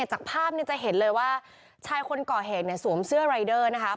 จากภาพเนี่ยจะเห็นเลยว่าชายคนก่อเหตุเนี่ยสวมเสื้อรายเดอร์นะคะ